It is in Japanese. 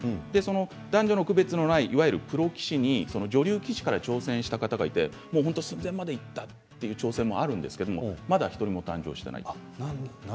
男女の区別のないいわゆるプロ棋士に女流棋士から挑戦した方がいて寸前までいったという挑戦もあるんですけどまだ１人も誕生していない。